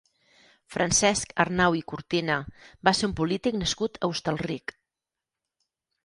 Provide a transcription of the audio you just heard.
Francesc Arnau i Cortina va ser un polític nascut a Hostalric.